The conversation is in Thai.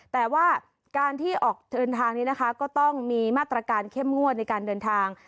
แต่ว่าการที่ออกเดินทางนี้นะคะก็ต้องมีมาตรการเข้มงวดในการเดินทาง